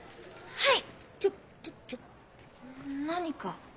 はい。